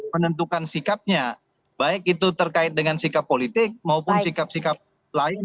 menentukan sikapnya baik itu terkait dengan sikap politik maupun sikap sikap lain